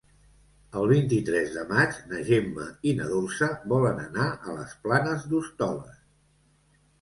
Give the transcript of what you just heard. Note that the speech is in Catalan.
El vint-i-tres de maig na Gemma i na Dolça volen anar a les Planes d'Hostoles.